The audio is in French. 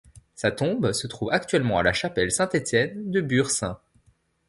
Sa tombe se trouve actuellement à la chapelle saint-Étienne de Bures St.